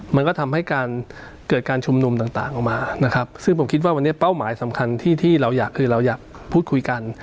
มันก็ทำให้การเกิดการชุมนุมต่างออกมานะครับซึ่งผมคิดว่าวันนี้เป้าหมายสำคัญที่ที่เราอยากคือเราอยากพูดคุยกัน